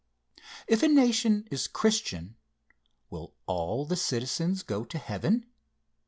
If a nation is Christian, will all the citizens go to heaven?